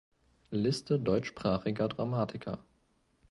Liste deutschsprachiger Dramatiker